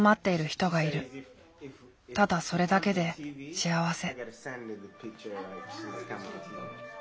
ただそれだけで幸せ。